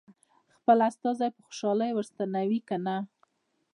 خپل استازی په خوشالۍ ور ستنوي که نه.